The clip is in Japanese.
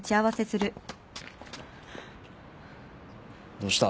どうした？